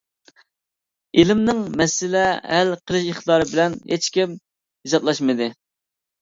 ئىلىمنىڭ مەسىلە ھەل قىلىش ئىقتىدارى بىلەن ھېچكىم ھېسابلاشمىدى.